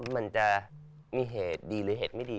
มันจะมีเหตุดีหรือเหตุไม่ดี